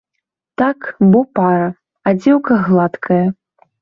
Так, бо пара, а дзеўка гладкая.